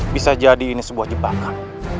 bisa jadi ini sebuah jebakan